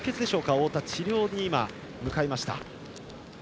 太田が今治療に向かいました。